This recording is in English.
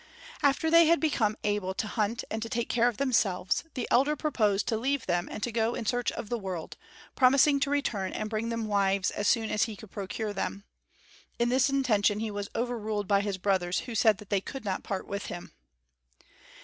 After they had become able to hunt and to take care of themselves, the elder proposed to leave them and to go in search of the world, promising to return and bring them wives as soon as he could procure them. In this intention he was over ruled by his brothers, who said that they could not part with him.